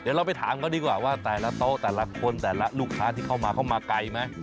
เดี๋ยวเราไปถามเขาดีกว่าว่าแต่ละโต๊ะแต่ละคนแต่ละลูกค้าที่เข้ามาเข้ามาไกลไหม